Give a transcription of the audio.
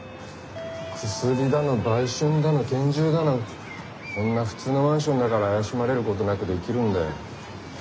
薬だの売春だの拳銃だのこんな普通のマンションだから怪しまれることなくできるんだよ。